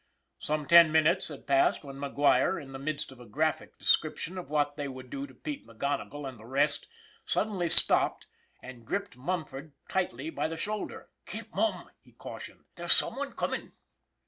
Some ten minutes had passed when McGuire, in the midst of a graphic description of what they would do to Pete McGonigle and the rest, suddenly stopped and gripped Munford tightly by the shoulder. " Keep mum," he cautioned. " There's someone comin' !